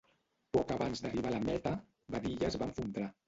Poc abans d'arribar a la meta, Badilla es va esfondrar.